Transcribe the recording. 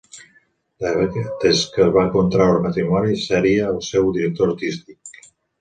Des que van contraure matrimoni, seria el seu director artístic.